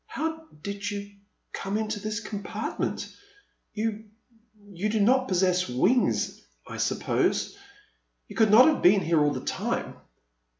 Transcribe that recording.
How did you come into this compartment? You — you do not possess wings, I suppose. You could not have been here all the time.